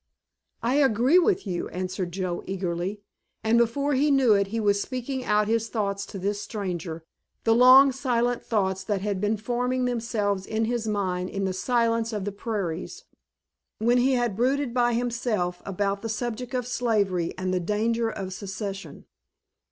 "I agree with you," answered Joe eagerly, and before he knew it he was speaking out his thoughts to this stranger, the long, silent thoughts that had been forming themselves in his mind in the silence of the prairies, when he had brooded by himself about the subject of slavery and the danger of secession.